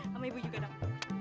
sama ibu juga dong